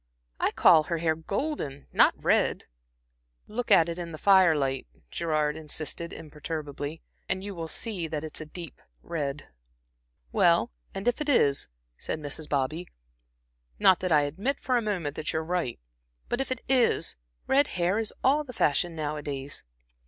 I call her hair golden, not red." "Look at it in the fire light," Gerard insisted imperturbably, "and you will see that it's a deep red." "Well, and if it is," said Mrs. Bobby "not that I admit for a moment that you are right but if it is, red hair is all the fashion nowadays."